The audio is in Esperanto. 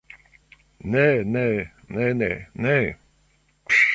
Ne ne ne ne. Ne.